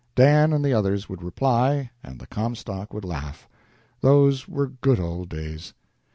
Dan and the others would reply, and the Comstock would laugh. Those were good old days.